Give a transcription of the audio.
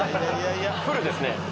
フルですね。